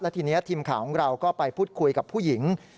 ทีนี้ทีมข่าวของเราก็ไปพูดคุยกับผู้หญิง